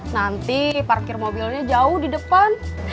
nanti parkir mobilnya jauh di depan